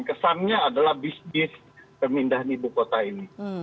kesannya adalah bis bis pemindahan ibu kota ini